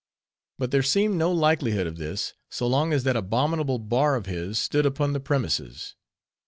But there seemed no likelihood of this, so long as that abominable bar of his stood upon the premises.